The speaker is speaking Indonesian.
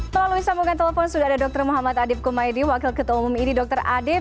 lalu bisa mungkan telepon sudah ada dokter muhammad adib kumaydi wakil ketua umum ini dokter adib